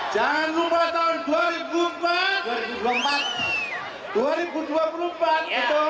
jangan lupa tahun dua ribu dua puluh empat